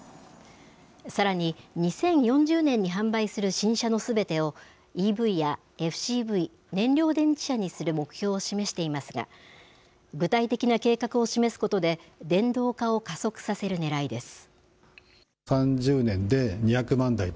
さらに、２０４０年に販売する新車のすべてを、ＥＶや、ＦＣＶ・燃料電池車にする目標を示していますが、具体的な計画を示すことで、電動化を加速させるねらいです。